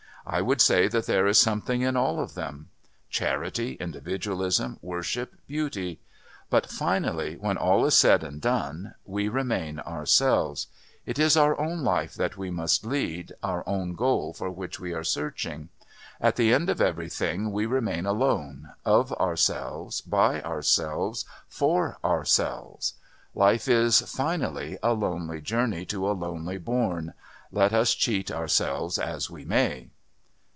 I would say that there is something in all of them, Charity, Individualism, Worship, Beauty. But finally, when all is said and done, we remain ourselves. It is our own life that we must lead, our own goal for which we are searching. At the end of everything we remain alone, of ourselves, by ourselves, for ourselves. Life is, finally, a lonely journey to a lonely bourne, let us cheat ourselves as we may."